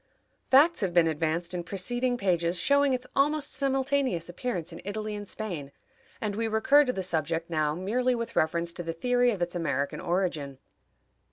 Facts have been advanced in preceding pages showing its almost simultaneous appearance in Italy and Spain, and we recur to the subject now merely with reference to the theory of its American origin.